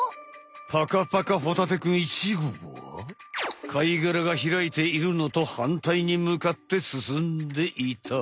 パカパカホタテくん１号は貝がらがひらいているのとはんたいにむかって進んでいた。